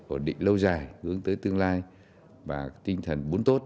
ổn định lâu dài hướng tới tương lai và tinh thần bốn tốt